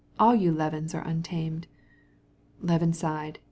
All you Levins are savages." Levin sighed.